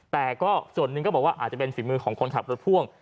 แต่ก็ส่วนหนึ่งก็บอกว่าอาจจะเป็นฝีมือของคนขับรถพ่วง